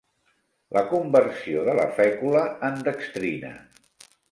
La conversió de la fècula en dextrina.